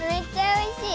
おいしい？